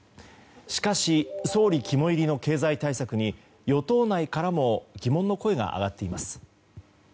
しかし、総理肝煎りの経済対策に与党内からも疑問の声が上がっています。